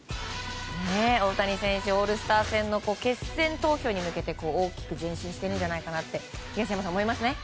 大谷選手、オールスター戦の決選投票に向けて大きく前進してるんじゃないかって東山さん、思いますね。